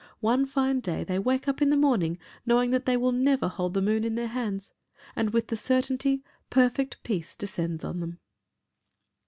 One fine day they wake up in the morning knowing that they will never hold the moon in their hands and with the certainty, perfect peace descends on them.